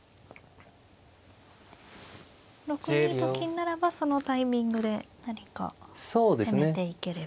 ６二と金ならばそのタイミングで何か攻めていければ。